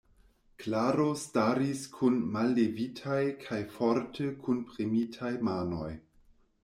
Klaro staris kun mallevitaj kaj forte kunpremitaj manoj.